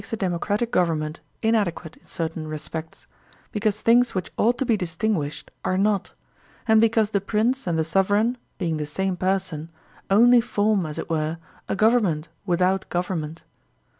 DEMOCRACY 59 democratic government inadequate in certain respects^ because things which ought to be distinguished are not, and because the Prince and the sovereign, being the same person, only form as it were a government without gov ernment.